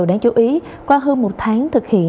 đáng chú ý qua hơn một tháng thực hiện